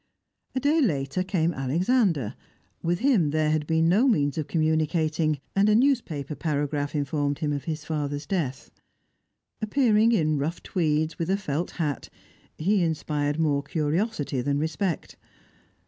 A day later came Alexander. With him there had been no means of communicating, and a newspaper paragraph informed him of his father's death. Appearing in rough tweeds, with a felt hat, he inspired more curiosity than respect.